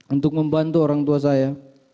untuk membantu orang tua saya